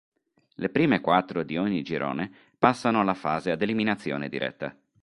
Le prime quattro di ogni girone, passano alla fase ad eliminazione diretta.